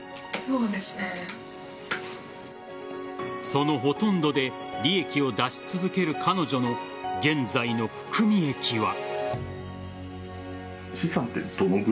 そのほとんどで利益を出し続ける彼女の現在の含み益は。